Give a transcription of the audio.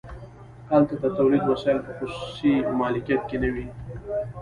هلته د تولید وسایل په خصوصي مالکیت کې نه وي